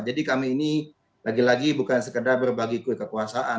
jadi kami ini lagi lagi bukan sekedar berbagi kekuasaan